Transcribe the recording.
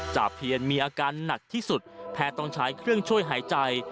เพียรมีอาการหนักที่สุดแพทย์ต้องใช้เครื่องช่วยหายใจ